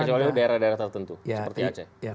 kecuali daerah daerah tertentu seperti aceh